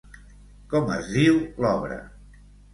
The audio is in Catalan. Com es diu l'obra?